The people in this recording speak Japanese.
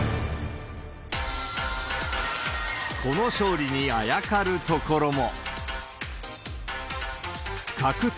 この勝利にあやかるところも。